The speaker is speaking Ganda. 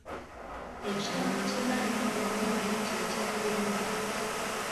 Ekitooke kye bayita omujjwa kye kya gonja.